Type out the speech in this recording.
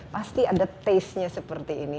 pasti ada taste nya seperti ini